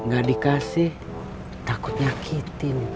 gak dikasih takut nyakitin